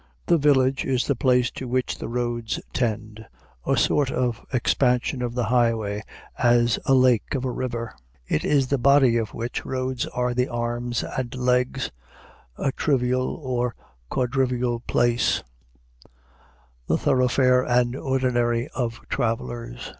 The village is the place to which the roads tend, a sort of expansion of the highway, as a lake of a river. It is the body of which roads are the arms and legs, a trivial or quadrivial place, the thoroughfare and ordinary of travelers.